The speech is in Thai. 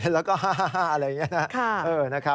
แล้วก็ฮ่าอะไรอย่างนี้นะ